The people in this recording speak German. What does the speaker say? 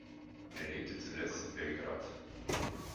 Er lebte zuletzt in Belgrad.